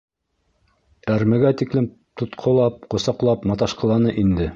Әрмегә тиклем тотҡолап, ҡосаҡлап маташҡыланы инде.